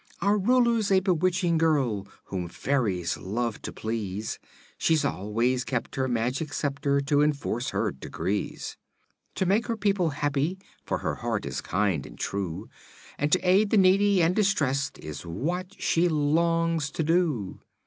Our Ruler's a bewitching girl whom fairies love to please; She's always kept her magic sceptre to enforce decrees To make her people happy, for her heart is kind and true And to aid the needy and distressed is what she longs to do.